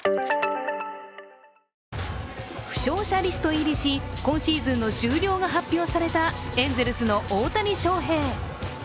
負傷者リスト入りし、今シーズンの終了が発表されたエンゼルスの大谷翔平。